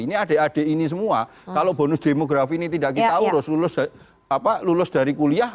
ini adik adik ini semua kalau bonus demografi ini tidak kita urus lulus lulus dari kuliah